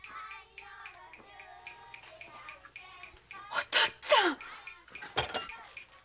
お父っつぁん！